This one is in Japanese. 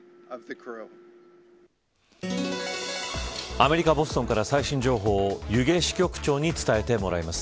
アメリカ、ボストンから最新情報を弓削支局長に伝えてもらいます。